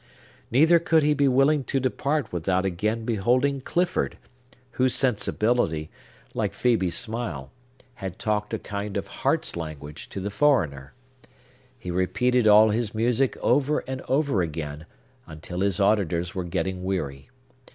Neither could he be willing to depart without again beholding Clifford, whose sensibility, like Phœbe's smile, had talked a kind of heart's language to the foreigner. He repeated all his music over and over again, until his auditors were getting weary.